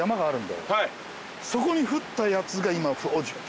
そこに降ったやつが今。